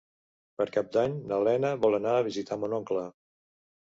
Per Cap d'Any na Lena vol anar a visitar mon oncle.